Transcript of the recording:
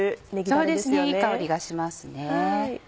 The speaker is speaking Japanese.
そうですねいい香りがしますね。